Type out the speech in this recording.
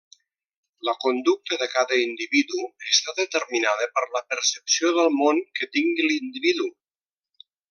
La conducta de cada individu està determinada per la percepció del món que tingui l'individu.